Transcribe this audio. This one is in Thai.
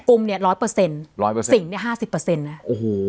ุมเนี่ยร้อยเปอร์เซ็นต์ร้อยเปอร์เซ็นต์เนี่ยห้าสิบเปอร์เซ็นต์นะโอ้โห